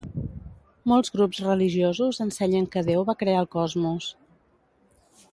Molts grups religiosos ensenyen que Déu va crear el cosmos.